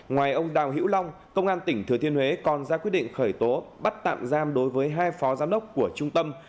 ngoài ông đào hữu long công an tỉnh thừa thiên huế còn ra quyết định khởi tố bắt tạm giam đối với hai phó giám đốc của trung tâm